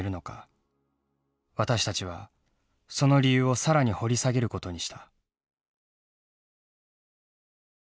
私たちはその理由を更に掘り下げることにした。